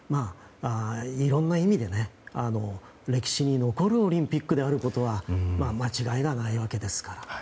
いろんな意味で、歴史に残るオリンピックであることは間違いないわけですから。